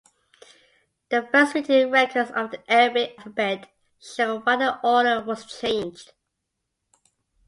The first written records of the Arabic alphabet show why the order was changed.